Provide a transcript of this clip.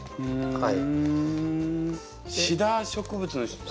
はい。